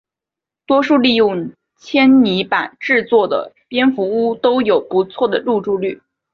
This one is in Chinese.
多数利用纤泥板制作的蝙蝠屋都有不错的入住率。